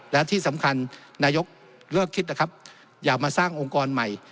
และที่สำคัญนายกเลิกคิดนะครับอย่ามาสร้างองค์กรใหม่